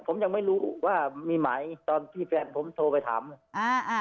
ผมยังไม่รู้ว่ามีหมายตอนที่แฟนผมโทรไปถามอ่าอ่า